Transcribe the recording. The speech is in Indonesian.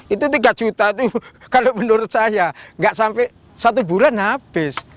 itu tiga juta itu kalau menurut saya nggak sampai satu bulan habis